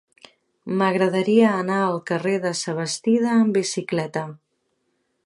M'agradaria anar al carrer de Sabastida amb bicicleta.